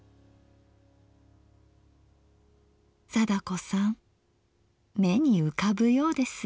貞子さん目に浮かぶようです。